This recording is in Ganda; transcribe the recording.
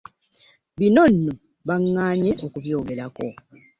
Bino nno baŋŋaanyi okubyogerako.